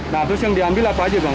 nah terus yang diambil apa aja bang